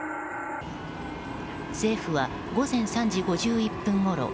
政府は午前３時５１分ごろ